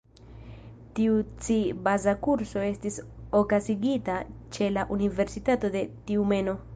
Tiu ci baza kurso estis okazigita ce la universitato en Tjumeno.